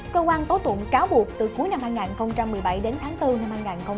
cơ quan tố tụng cáo buộc từ cuối năm hai nghìn một mươi bảy đến tháng bốn năm hai nghìn một mươi chín